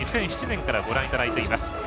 ２００７年からご覧いただいています。